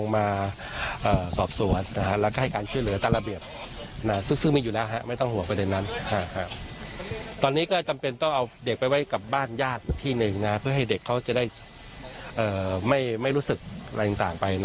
ไม่รู้สึกอะไรต่างไปนะครับ